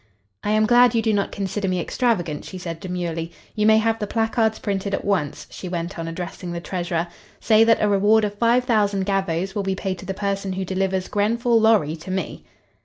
"I am glad you do not consider me extravagant," she said, demurely. "You may have the placards printed at once," she went on, addressing the treasurer. "Say that a reward of five thousand gavvos will be paid to the person who delivers Grenfall Lorry to me."